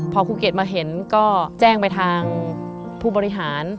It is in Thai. พอครูเกดมาเห็นก็แจ้งไปทางผู้บริหาร